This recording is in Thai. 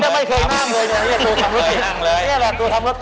ไม่เคยนั่งเลย